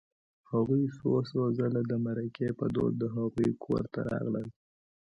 هغوی څو څو ځله د مرکې په دود د هغوی کور ته راغلل